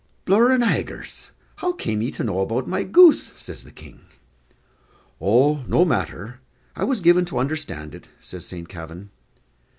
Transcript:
"Blur an agers, how came ye to know about my goose?" says the King. "Oh, no matter; I was given to understand it," says Saint Kavin.